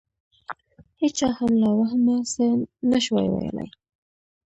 هېچا هم له وهمه څه نه شوای ویلای.